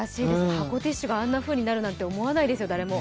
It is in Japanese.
箱ティッシュがあんなふうになるなんて思わないですね、誰も。